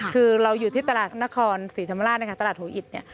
คือเราอยู่ที่ตลาดนครศรีธรรมราชตลาดโหอิส